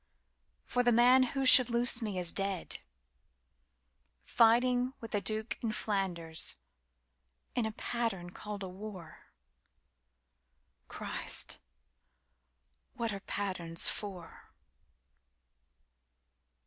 For the man who should loose me is dead, Fighting with the Duke in Flanders, In a pattern called a war. Christ! What are patterns for?